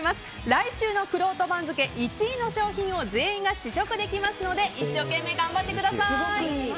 来週のくろうと番付１位の商品を全員が試食できますので一生懸命頑張ってください。